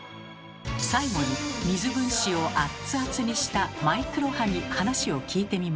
最後に水分子をアッツアツにしたマイクロ波に話を聞いてみました。